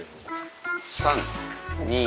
３・２・１。